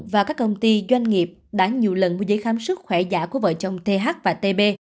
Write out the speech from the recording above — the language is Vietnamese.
và các công ty doanh nghiệp đã nhiều lần mua giấy khám sức khỏe giả của vợ chồng thê hắc và thê bê